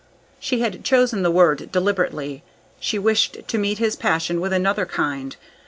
She had chosen the word deliberately. She wished to meet his passion with another kind.